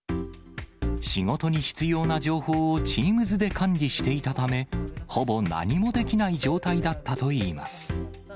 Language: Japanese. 仕事に必要な情報をＴｅａｍｓで管理していたため、ほぼ何もできない状態だったといいます。